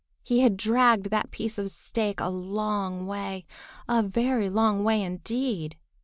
He had dragged that piece of stake a long way, a very long way, indeed.